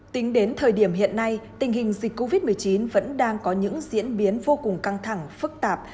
tính đến thời điểm hiện nay tình hình dịch covid một mươi chín vẫn đang có những diễn biến vô cùng căng thẳng phức tạp